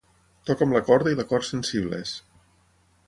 «Toca'm la corda i l'acord sensibles.